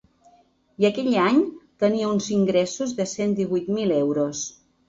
I aquell any tenia uns ingressos de cent divuit mil euros.